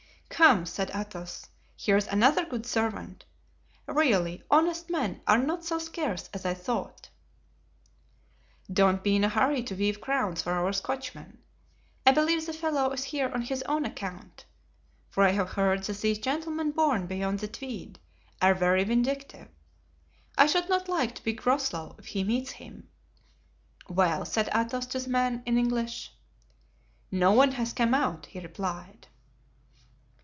"Come," said Athos, "here's another good servant. Really, honest men are not so scarce as I thought." "Don't be in a hurry to weave crowns for our Scotchman. I believe the fellow is here on his own account, for I have heard that these gentlemen born beyond the Tweed are very vindictive. I should not like to be Groslow, if he meets him." "Well?" said Athos, to the man, in English. "No one has come out," he replied.